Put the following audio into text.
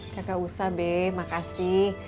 gak usah be makasih